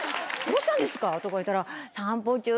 どうしたんですか？とか言ったら。